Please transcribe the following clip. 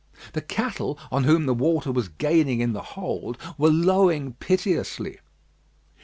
The cattle, on whom the water was gaining in the hold, were lowing piteously.